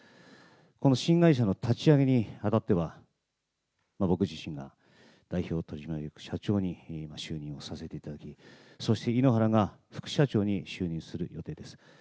この新会社の立ち上げにあたっては、僕自身が代表取締役社長に就任をさせていただき、そして井ノ原が副社長に就任する予定です。